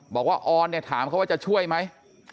บอกว่าออนเนี่ยถามเขาว่าจะช่วยไหม